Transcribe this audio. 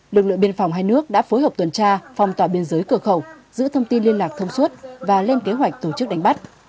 lực lượng biên phòng hai nước đã phối hợp tuần tra phong tỏa biên giới cửa khẩu giữ thông tin liên lạc thông suốt và lên kế hoạch tổ chức đánh bắt